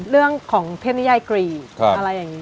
เรื่องของเทพนิยายกรีอะไรอย่างนี้